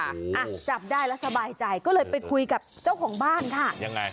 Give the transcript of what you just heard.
อ่ะจับได้แล้วสบายใจก็เลยไปคุยกับเจ้าของบ้านค่ะยังไง